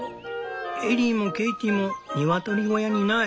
エリーもケイティもニワトリ小屋にいない。